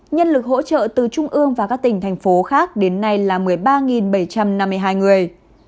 nhân lực hỗ trợ từ trung ương và các tỉnh thành phố khác đến nay là một mươi ba bảy trăm năm mươi hai người